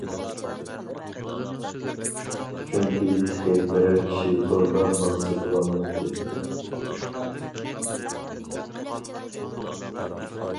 چۈنكى تېخى بىرەر كىشى توردا مال سېتىۋالمايتتى.